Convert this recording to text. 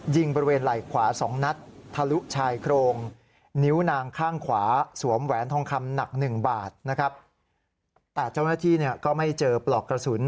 หนัก๑บาทแต่เจ้าหน้าที่ก็ไม่เจอปลอกกระสุน